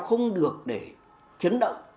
không được để chấn động